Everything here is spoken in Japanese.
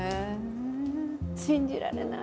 信じられない！